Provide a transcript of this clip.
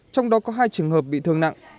trong đó có hai trường hợp bị thương nặng